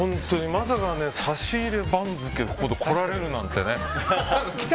まさか差し入れ番付でここで来られるなんてね。